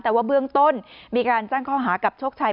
แต่ว่าเบื้องต้นมีการแจ้งข้อหากับโชคชัย